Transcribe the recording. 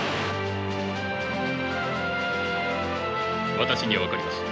私には分かります。